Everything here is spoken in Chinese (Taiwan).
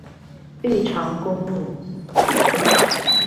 玉長公路